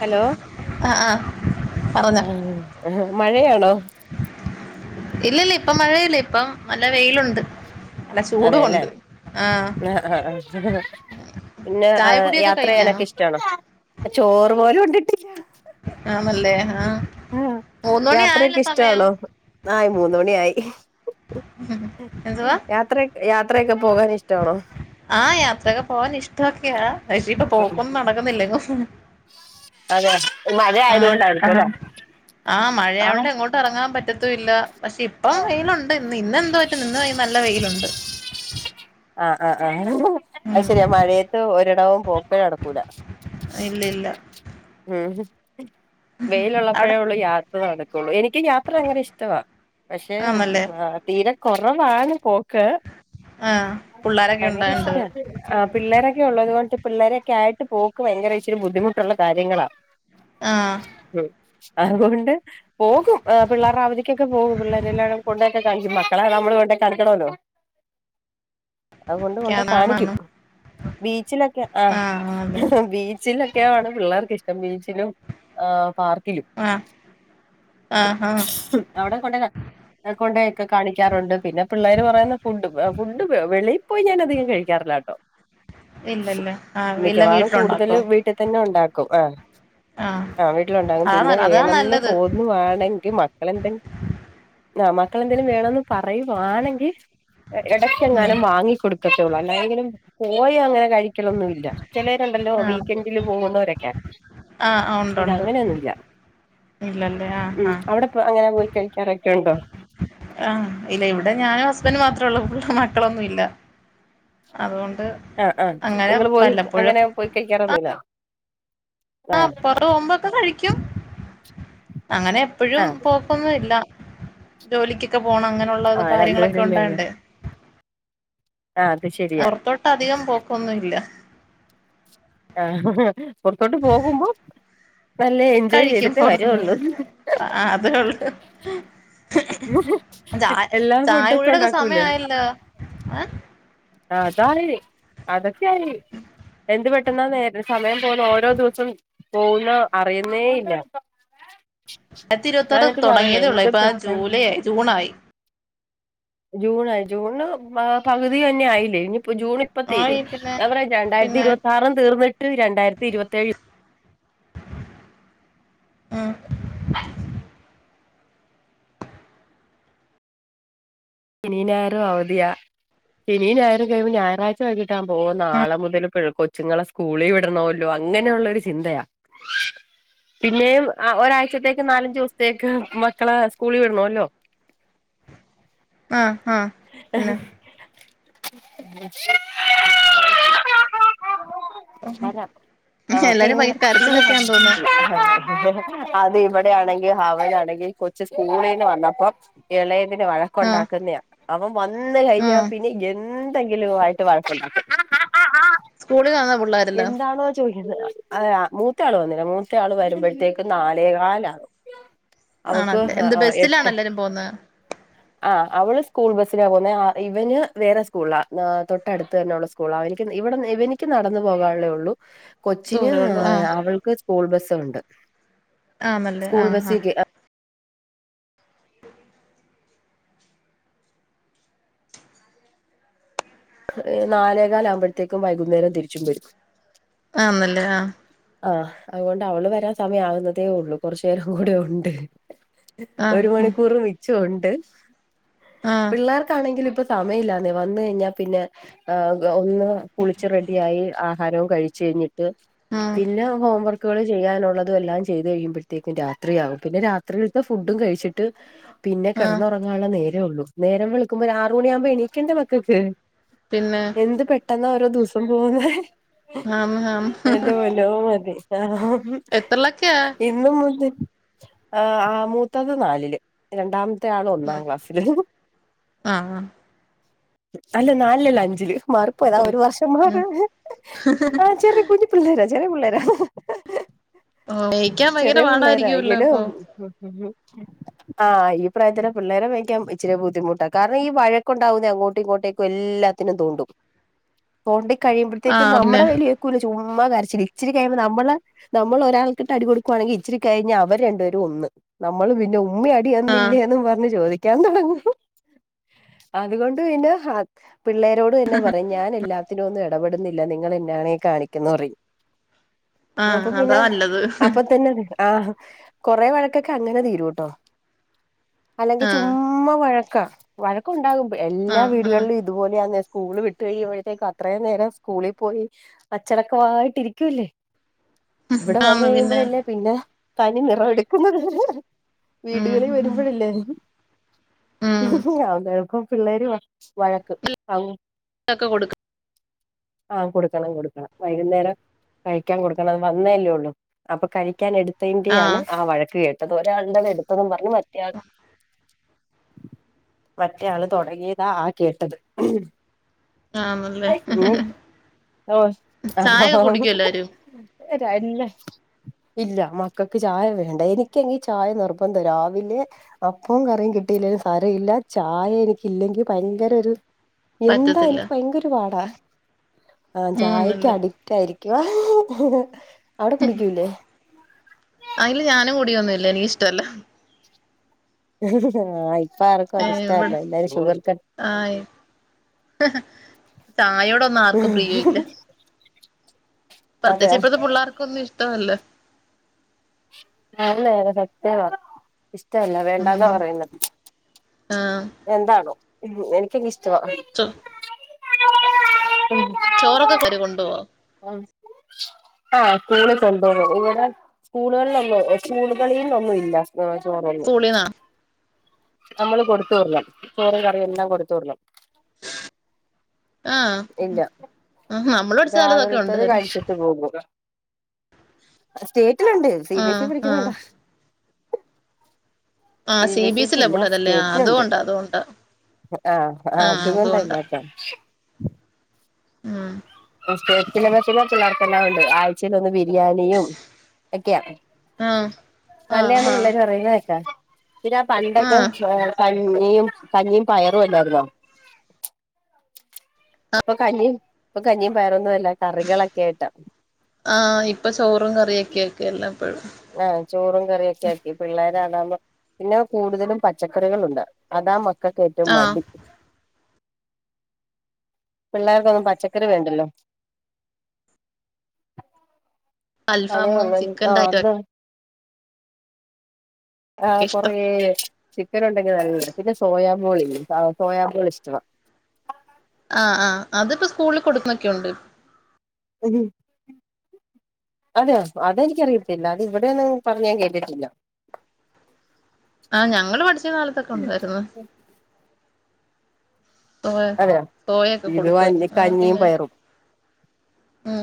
Hello ആ ആ പറഞ്ഞോ ആ മഴയാണോ ഇല്ല ഇല്ല ഇപ്പ മഴ ഇല്ല ഇപ്പം നല്ല വെയിലുണ്ട് നല്ല അതെല്ലേ ചൂടുമുണ്ട് ആ ആ [inaudible] പിന്നെ ആ ചായ കുടിയൊക്കെ യാത്ര കഴിഞ്ഞാ ചെയ്യാനൊക്കെ ഇഷ്ടണോ ചോറ് പോലും ഉണ്ടി [unintelligible] ആണല്ലേ ആ മൂന്നു മണി ആയല്ലോ യാത്രയൊക്കെ സമയം ഇഷ്ടാണോ ആയി മൂന്നു മണി ആയി എന്തുവാ യാത്രയൊക്കെ പോകാൻ ഇഷ്ടാണോ ആ യാത്രയൊക്കെ പോവാൻ ഇഷ്ടൊക്കെയാ പഷേ ഇപ്പൊ പോക്കൊന്നും നടക്കുന്നില്ലെങ്ങും അതെ മഴ ആ ആയതുകൊണ്ടായിരിക്കുംല്ലേ ആ മഴയകൊണ്ട് എങ്ങോട്ട് ഇറങ്ങാൻ പറ്റ പറ്റത്തും ഇല്ല പക്ഷെ ഇപ്പം വെയിലുണ്ട് ഇന്ന് ഈന്നെന്തു പറ്റി നിന്ന് നല്ലവെയിലുണ്ട് ആ ആ ആ അ ശെരിയാ മഴയത്ത് ഓരോ ടവും പോക്കെ നടക്കൂല ഇല്ല ഇല്ല ഉം അവിടെ വെയിലുള്ളപ്പോഴേ ഉള്ളു യാത്ര നട കത്തൊള്ളൂ എനിക്ക് യാത്ര അങ്ങനെ ഇഷ്ടമാണ് പക്ഷെമൂ മൂ ആന്നല്ലേ ആ തീരെ കൊറവാണ് പോ ക്കെ ആ പുള്ളാരൊക്കെ ഭയങ്കര ഉണ്ടായോണ്ട് ഇഷ്ട ആ പിള്ളേരൊക്കെ ഉള്ളത് കൊണ്ട് പിള്ളേരെൊക്കെ ആയിട്ട് പോക്ക് ഭയങ്കര ഇച്ചിരി ബുദ്ധിമുട്ടുള്ള കാര്യങ്ങളാ ആ ഉം അതുകൊണ്ട് പോകും ആ പിള്ളേർ അവധിക്കൊക്കെ പോകും പിള്ളേരെ എല്ലാടം കൊണ്ടോക്കെ കനിക്കും മക്കളാ നമ്മള് കൊണ്ടേ കാണിക്കാണോല്ലോ കണിക്കണല്ലോ അതുകൊണ്ട് കൊണ്ട് അതാണ് കാണിക്കും ആണ് ബീച്ചിലൊക്കെ ആ ആഹ് അതെ ബീച്ചിലാ പിള്ളർക്ക ഇഷ്ടം ബീച്ചിലും പാർ ആഹ് ആഹ് ആഹ് അവിടെ കൊണ്ടായി കൊണ്ടായി ഒക്കെ കാണിക്കാറുണ്ട് പിന്നെ പിള്ളേര് പറയുന്ന ഫുഡും ഫുഡും വെളിയിൽ പോയി ഞാനധികം കഴിക്കാറില്ല കേട്ടോ ഇല്ലല്ല ആഹ് എല്ലാം മിക്കവാറും കൂടുതൽ വീട്ടിലുണ്ടാക്കോ വീട്ടിൽ തന്നെ ഉണ്ടാക്കും ആഹ് ആഹ് ആ വീട്ടിലുണ്ടാകും. അതാ പിന്നെ നല്ല അതാ വേണംന്ന് നല്ലത് തോന്നു വാണ മക്കളെന്തെ ആ മക്കൾെന്തെങ്കിലും വേണന്ന് പറയുവാണെങ്കിൽ ഉം എങ്ങാന വാങ്ങിക്കടുക്കത്തേ ഉള്ളൂ അല്ലെങ്കിലും പോയി അങ്ങനെ കഴിക്ക ഒരിക്കലൊന്നുമല്ല ചിലരുണ്ടല്ലോ ആഹ് വീക്കെൻഡില് പോകണ്ടവരൊക്ക ആഹ് ആഹ് ഉണ്ട് ഉണ്ട് ഇതങ്ങനെയൊന്നുമല്ല ഇല്ലല്ലേ ആഹ് ഉ ആഹ് അവിടെ അങ്ങനെ പോയി കഴിക്കാറൊക്കെ ഉണ്ടോ ആഹ് ഇല്ല ഇവിടെ ഞാനും ഹസ്ബൻഡും മാത്രേള്ളൂ [unintelligible] മക്കളൊന്നും ഇല്ല അതൊ ആഹ് ആഹ് നിങ്ങള് പോയി അങ്ങനെ പോയി കഴിക്കാറൊന്നുല്ല ആഹ് പൊറോമ്പൊക്കെ കഴി ഴിക്കും അങ്ങനെ എപ്പോഴും ആഹ് പോക്കൊന്നും ഇല്ല ജോലിക്കൊക്കെ പോണം അങ്ങനെയുള്ള ആഹ് കാര്യങ്ങളൊക്കെ രണ്ടുപേരല്ലേ ഉള്ളൂ ഉണ്ടാകണ്ടേ ആഹ് അത് ശരിയാ പുറത്തോട്ട് അധികം പോക്കൊന്നും ഇല്ല ആഹ് പുറത്തോട്ട് പോകുമ്പോ നല്ല എൻജോയ് കഴിക്കും ചെയ്തിട്ടേ വരുള്ളൂ പുറത്തുന്ന് അതേ ഉള്ളു ചായ എല്ലാ ചായ ഫുഡൊക്കെ കുടിയുടെക്കെ ഉണ്ടാക്കൂലേ സമയായല്ലോ ഏ അതായി അതക്ക എന്ത് പറ്റ ട്ടന്നാ നേരെ സമയം പോന്ന ഓരോ ദിവസം പോന്ന അറിയുന്നേ ഇല്ല ആയിരത്തി ഞാൻ ഇരുപത്താറ് എന്നിട്ട് പറയും തുടങ്ങിയതേ ഉള്ളു എന്ത് ഇപ്പൊ ആഹ് ജൂലൈ ആയി ജൂണായി ജൂൺ ആയി ജൂൺന് പകുതിയായി ഞ്ഞായില്ലേ ഞ്ഞി ഇപ്പൊ ജൂൺ ആയി ഇപ്പത്തീരും പിന്നെ എന്താ പറയാ രണ്ടായിരത്തി പിന്നെ ഇരുപത്താറ് തീർന്നിട്ട് രണ്ടായിരത്തി ഇരുപത്തേഴ് ആഹ് ശനീം ഞായറും അവധിയാ ശനീം ഞായറും കഴിയുമ്പോ ഞായറാഴ്ച വൈകിട്ടാവുമ്പോ ഓഹ് നാളെ മുതൽ കൊച്ചുങ്ങളെ സ്കൂളിൽ വിടണല്ലോ അങ്ങനെയുള്ളൊരു ചിന്തയാ പിന്നേം ഒരാഴ്ചത്തേക്ക് നാലഞ്ചു ദിവസത്തേക്ക് മക്കള സ്കൂളി വിടണല്ലോ ആഹ് ആഹ് പിന്നെ ആ എല്ലാരും പിന്നെ ഭയങ്കര കരച്ചിലൊക്കെയാന്ന് തോന്നുന്നു [unintelligible] ഇവിടെ ആണെങ്കിൽ ഹ ണെങ്കിൽ കൊച്ചു സ്കൂളീന്ന് വന്നപ്പോം ഇളയതിന് ആഹ് കൊണ്ടാക്കുന്നയാ അവൻ വന്ന് കഴിഞ്ഞ ആഹ് പിന്നെ എന് എന്തെങ്കിലും ആയിട്ട് വഴക്കൊണ്ടാക്കും. സ്കൂളിലാണോ പിള്ളേരെല്ലാം. ഏതെ മൂത്തയാള് വന്നില്ല മൂത്ത ആള് വരുമ്പോഴത്തേക്കും നാലേകാലാകും. അവക്ക് ആണല്ലോ എന്ത് എട്ട് ബസ്സിലാണോ എല്ലാരും പോന്നേ ആഹ് അവള് സ്കൂൾ ബസ്സിൽ പോന്നേ ആ ഇവന് വേറെ സ്കൂളിലാ ആഹ് തൊട്ടടുത്ത് തന്നെ ഉള്ള സ്കൂളാ ഇവനിക്ക് ഇവിടുന് ഇവനിക്ക് നടന്നു പോകാനുള്ളേ ഉള്ളു. കൊച്ചിന് ദൂരേ ഉള്ളൂ ആഹ് അവൾക്ക് സ്കൂൾ ബസ്സ് ഉണ്ട്. ആന്നല്ലേ ആഹ് ആഹ്. ഏഹ് നാലേകാല് ആകുമ്പോഴത്തേക്കും വൈകുന്നേരം തിരിച്ചും വരും. ആന്നല്ലേ ആഹ് ആഹ് അതുകൊണ്ട് അവള് വരാൻ സമയം ആവുന്നതേ ഉള്ളൂ കുറച്ച് നേരം കൂടെ ഉണ്ട്. ആഹ് ഒരു ആഹ് മണിക്കൂർ മിച്ചു [inaudible] പിള്ളേർക്കാണെങ്കിൽ ഇപ്പം സമയില്ലാന്നെ വന്ന് കഴിഞ്ഞാല്. പിന്നെ ആഹ് ഫുള്ള് കുളിച്ച് റെഡിയായി. ആഹാരവും കഴിച്ച് കഴിഞ്ഞ ട്ട് ആഹ് പിന്നെ ഹോംവർക്ക്. കാള് ചെയ്യാനുള്ളതും എല്ലാം ചെയ്ത് കഴിയുമ്പോഴത്തേക്കും രാത്രിയാകും പിന്നെ രാത്രിലത്തെ ഫുഡും കഴിച്ചിട്ട്. പിന്നെ ആഹ് കിടന്നുറങ്ങാനുള്ള നേരം. ഇത് ഉള്ള നേരം വെളുക്കുമ്പോ ഒരു ആറ് മണിയാകുമ്പോ എണീക്കണ്ടേ മക്കൾക്ക്. പിന്നെ എന്ത് പെട്ടെന്ന് ദിവസം പോകുന്നേ. ആന്ന് ആന്ന് എന്റെ പൊന്നോ മതി. [unintelligible] മ്മ് എത്രലൊക്കെയാ ഇന്ന് മുതൽ ആഹ് ആഹ് മൂത്തത് നാലില് രണ്ടാമത്. മത്തെ ഉം ഒന്നാം ക്ലാസ്സിലും. ആഹ് അല്ല നാലിയല്ല അഞ്ചില് മാറിപോയതാ ആഹ് ഒരു വർഷം മാറി ഉം ആ ചെറിയ കുഞ്ഞി പിള്ളേരാ. ചെറിയ പിള്ളേരാ ജയിക്കാൻ ഭയങ്കര ചെറിയ പാടയിരിക്കല്ലോ അപ്പൊ. ആഹ് ഈ പ്രായത്തിൽ പിള്ളേരെ മേയിക്കാൻ ഇച്ചിരി ബുദ്ധിമുട്ടാണ് കാരണം ഈ വഴക്കുണ്ടാവുന്ന അങ്ങോ ട്ട് ഇങ്ങോട്ടേക്ക എല്ലാത്തിനും തോണ്ടും തോണ്ടി. കഴിയുമ്പഴത്തേക്ക ആഹ് നമ്മ പിന്നെ വലിയക്ക ചോ അമ്മ കരച്ച ഇച്ചിരി കഴിയുമ്പോൾ നമ്മള് നമ്മൾ ഒരാൾക്കിട്ട് അടി കൊടുക്കുവാണെങ്കിൽ ഇച്ചിരി കഴിഞ്ഞ അവര് രണ്ടുപേും ഒന്ന് നമ്മള് പിന്നെ ഉമ്മ അടി ആഹ് വന്നില്ലേ എന്നന്ന് പറു ചോദി ഞാൻ തുടങ്ങും അതുകൊ ണ്ട് പിന്നെ ഹ പിള്ളേരോട് തന്നെ പറയും ഞാൻ എല്ലാത്തിനുംന്ന് ഇടപെടുന്നില്ല നിങ്ങ എന്നാണേ കാണിക്കുന്നറി ആഹ് അപ്പ അതാ പിന്നെ നല്ലത് അപ്പ തന്നെ ആഹ് കൊറേ വഴക്കൊക്കെ അങ്ങനെ തീരൂട്ടോ അല്ലെങ്കിൽ ആഹ് ചുമ്മാ വഴ ക്ക വഴക്കൊണ്ടാകുമ്പേ എല്ലാ ആഹ് ആഹ് വീടുകളിലും ഇതുപോലെന്നെ സ്കൂള് വിട്ടഴിയുമ്പോഴത്തേക്കും അത്രയും നേരം സ്കൂളിപോയി അച്ചടക്കവായിട്ടിരിക്കൂവല്ലേ ഇവിടെ വന്ന് ആന്ന് പിന്നെ കഴിയുമ്പോഴല്ലേ പിന്നെ തനി നിറവെടുക്കുന്നത് വീടുകളിൽ ഉം വരുമ്പോഴില്ലെ ഉം [unintelligible] പിള്ളേര് വഴക്ക് ആഹ് തൊക്കെ കൊട് ആഹ് കൊടുക്കണം കൊടുക്കണം വൈകുന്നേരം കയിക്കാൻ കൊടുക്കണം വന്നല്ലേള്ളു അപ്പൊ കഴിക്കാൻ എട് തെന്റെയാണ് ആഹ് വഴക്ക് കേ അതൊരാള്ടെ എടുതൊന്നും പ [unintelligible] മറ്റേയാള് തുടങ്ങിയതാ ആഹ് കേട്ടത് ആന്നല്ലേ ഓ ഒഹൊ ചായ ഒക്കെ കുടിക്കോ എല്ലാരും ഹ ഇല്ല ഇല്ല മക്കൾക്ക് ചായ വേണ്ട എനിക്കങ്കിൽ ചായ നിർബന്ധം ആ രാവിലെ അപ്പവും കറിയും കിട്ടിയിലങ്കിലും സാരമില്ല ചായ എനി ഇല്ലെങ്കിൽ ഭയങ്കര ഒരു എന്താ പറ്റത്തില്ല എനിക്ക് ഭയങ്ക ഒരു പാടാ ആഹ് ചായക്ക് ആന്നല്ലേ അഡിക്റ്റ് ആയിരി അവിടെ കുടിക്കൂല്ലേ അയില് ഞാനും കൂടിയൊന്നും ഇല്ല എനിക്കിഷ്ടല്ല ആ ഇപ്പ ആർക്കും ഏ അത് ഇഷ്ടല്ല ഇവിടെ എല്ലാരും ഷുഗർ കട്ട് ആ ചായയോട് ഒന്നും ആർക്കും പ്രിയം ഇല്ല [inaudible] അതെയ പ്രത്യേകിച്ച് ഇപ്പഴത്തെ പിള്ളേർക്കൊന്നും ഇഷ്ടമല്ല ആല്ലേ എല്ലാ സത്യവാ ഇഷ് ഇഷ്ടല്ല ഉം വേണ്ടന്നാ പറയുന്നത് ആഹ് എന്താണോ യ്യോ എനിക്കങ്ങ് ഇഷ് ഷ്‌ടാ ചോ ചോറൊക്കെ കോരി കൊണ്ടു പോകുവോ ആ സ്കൂളിൽ കൊണ്ട് പോകും ഇങ്ങനെ സ്കൂളുകളിലൊന്നും സ്കൂളുകളിൽ നിന്ന് ഒന്നും ഇല്ല ആ ചോറു തന്നെ സ്കൂളീന്നാ നമ്മള് കൊടുത്ത് വിടണം ചോറും കറിയും എല്ലാം കൊടുത്തു വിടണം ആ ഇല്ല ആ നമ്മളുപഠി രാവിലത്തത് കഴിച്ചിട്ട് പോകും സ്റ്റേറ്റ് ഉണ്ട് സി ബി എസ് ഇ ആഹ് ൽ ആഹ് പഠിക്കുന്നുന്നോണ്ടാ ആഹ് C B B S E S ക്ക് ലാ ഇല്ല പിള്ളേരല്ലേ ആഹ് സ്റ്റേറ്റിനുണ്ട് അതുകൊണ്ടാ അതുകൊണ്ടാ ആ അതുകൊണ്ടാ ഇല്ലാത്ത [inaudible] ഉം സ്റ്റേറ്റിൽ എന്നു വെച്ചാ പിള്ളേർക്കെല്ലാം ഉണ്ട് ആഴ്ചയിൽ ഒന്ന് വീക്ക് ബിരിയാണിയും ഒക്കെയാ ആഹ് ആഹ് നല്ലതാന്ന് ആഹ് പിള്ളേര് പറയുന്നത് കേൾക്കാം പിന്നെ ആ പണ്ടൊക്കെ ആഹ് ചോറായി [unintelligible] യും കഞ്ഞിയും പയറും അല്ലാരുന്നോ ഇപ്പൊ കഞ്ഞിയും ഇപ്പോ കഞ്ഞിയും പയറും ആ ഇപ്പൊ ചോറും കറിയൊക്കെ ഒക്കെ എല്ലാം ആഹ് ചോറും കറിയൊക്കെ ആക്കി പിള്ളേ അതാവുമ്പോ പിന്നെ കൂടുതലും പച്ചക്കറികളുണ്ട് അതാ മക്ക ഏറ്റവും ആഹ് മടി പിള്ളേർക്കൊന്നും പച്ചക്കറി വേണ്ടല്ലോ അൽഫാമ് അതേള്ളൂ ആ ചിക്കന്റെ ഐറ്റം അതാ ആഹ് ഒക്കെ ഇഷ്ടം കൊറേ ചിക്കൻ ഉണ്ടെങ്കിൽ നല്ല പിന്നെ സോയാമോൾ ഇല്ല സോയാമോൾ ഇഷ്ടമാണ് ആ ആ അതിപ്പോ സ്കൂളിൽ കൊടുക്കുന്നൊക്കെയുണ്ട് അതെയൊ അതെനിക്കറിയത്തില്ല അത് ഇവിടെയൊന്നും പറഞ്ഞ് ഞാൻ കേട്ടിട്ടില്ല ആഹ് ഞങ്ങള് പഠിച്ച കാലത്തൊക്കെ ഉണ്ടായിരുന്നു സോയ അതെയോ സോയ ഒക്കെ ഇത് വഞ്ഞി കൊടുക്കുവായിരുന്നു ആ കഞ്ഞിയും പിന്നെ പയറും മ്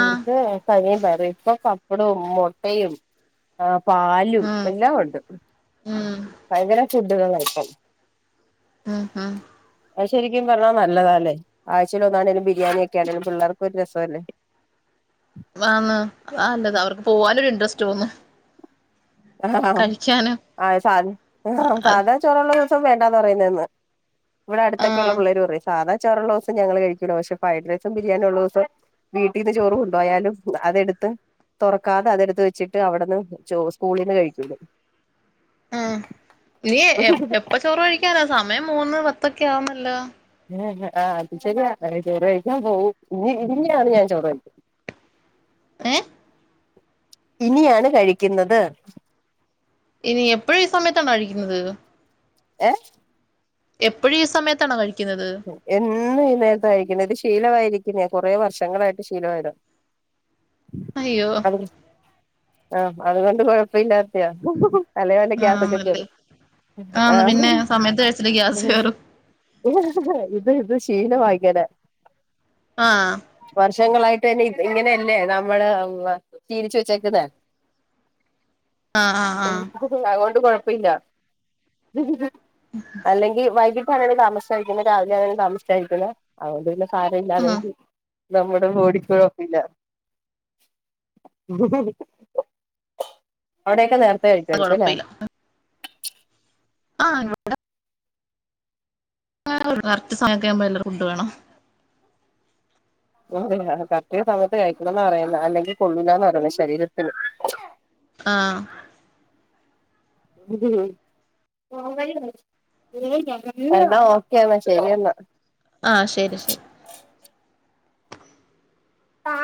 അതെ കഞ്ഞി പയറും ഇപ്പൊ പ ഇവിട മുട്ടയും ആ പാലും ഉം എല്ലാം ഉണ്ട് ഉം ഭയങ്കര [unintelligible] ഉം ഉം അ ശരിക്കും പറഞ്ഞാ നല്ലതാല്ലേ ആഴ്ചൽ ഒന്നാണേങ്കലും ബിരിയാണി ഒക്കൊണേങ്കലും പിള്ളേർക്ക് ഒരു രസംല്ലേ ആന്ന് അത് നല്ലതാ അവർക്ക് പോകാനൊരു ഇൻട്ര തോന്നും ആ കഴിക്കാനും ആ സാധ അത് സാധാ ചോറുള്ള ദിവസം വേണ്ടന്ന് പറയുന്നേന്ന് ഇവിടെ ആഹ് അടുത്തൊക്കെയള്ളേര് പറയും സാധ ചോറുള്ള ദിവസം ഞങ്ങൾ കഴിക്കൂല പക്ഷെ ഫ്രൈഡ്റൈസും ബിരിയാണിയ ഉള്ള ദിവസം വീട്ടിൽന്ന് ചോറും കൊണ്ട് പോയാലും അതെടുത്ത് തുറക്കാതെ അതെടുത്ത് വെച്ചിട്ട് അവിടുന്ന് ചോ സ്കൂളിന്ന് കഴിക്കു ഉം ഇനി എപ്പ ചോറ് കഴിക്കാനാ സമയം മൂന്ന് പ അപ്പൊക്കെയ ആവുന്നല്ല ആ അത് ശരിയാ ചോറ് കഴിക്കാൻ പോവും ഇനി ഇനിയാണ് ഞാൻ ചോറ് കഴി ഏ ഇനിയാണ് കഴിക്കുന്നത് ഇനി എപ്പോഴും ഈ സമയത്താണോ കഴിക്കുന്നത് ഏ എപ്പോഴും ഈ സമയത്താണ് കഴി എന്നും ഈ നേരത്ത കഴിക്കണത് ഇത് ശീലമായിരി കുറെേ വർഷങ്ങളായിട്ട് ശീലമായതാ അയ്യോ [unintelligible] ആഹ് അതുകൊണ്ട് കൊഴപ്പല്ലാത്തയാ തലേ വല്ല ഗ്യാസൊക്കെ ആണല്ലേ കേറും ആഹ് പിന്നെ സമയത്ത് കഴിച്ചില്ലേ ഗ്യാസ് കേറും ഇത് ഇത് ശീലമാ ഇങ്ങനെ ആഹ് വർഷങ്ങളായി ട്ടെ ഇങ്ങനെയല്ലേ നമ്മള് വ ശീലിച്ചു വെച്ചേക്കുന്നേ ആഹ് ആഹ് ഉം ആഹ് അങ്ങോ ത് കൊഴപ്പില്ല അല്ലെങ്കിൽ വൈകി [unintelligible] താമസായി ഇന്ന് രാവിലെ ഞാൻ താമസിച്ചായിരിക്കുന്നേ അത്കൊണ്ട് പിന്നെ ഉം കറന്റില്ലായെങ്കി [unintelligible] നമ്മുടെ ബോഡിക്ക് കുഴപ്പില്ല അവിടൊക്കെ നേര ത്തേ അത് കഴിക്കാരിക്കും അല്ലേ ആ ഇവിടെ ആ കറക്റ്റ് സമയം ആവുമ്പോ എല്ലാർക്കും ഫുഡ് വേണം അതെ കറക്റ്റ് സമയത്ത് കഴിക്കണംന്ന് എന്നാ പറയുന്നത് അല്ലെങ്കിൽ കൊള്ളൂലാന്നാ പറയുന്നേ ശരീരത്തിന് ആ എന്നാ ഓക്കേ എന്നാ ശരി എന്നാ ആശരി ശരി ആ